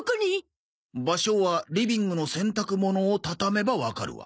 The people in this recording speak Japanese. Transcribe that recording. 「場所はリビングの洗濯物をたためばわかるわ」